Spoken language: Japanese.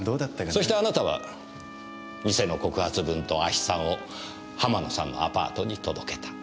そしてあなたは偽の告発文と亜ヒ酸を浜野さんのアパートに届けた。